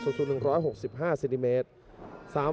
สวัสดีครับ